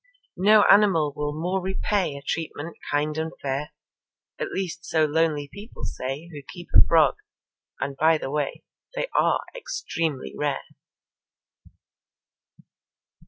No animal will more repay A treatment kind and fair; At least so lonely people say Who keep a frog (and, by the way, They are extremely rare).